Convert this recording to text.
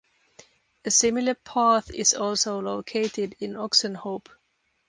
A similar path is also located in Oxenhope.